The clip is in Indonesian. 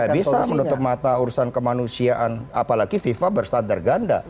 tidak bisa menutup mata urusan kemanusiaan apalagi fifa berstandar ganda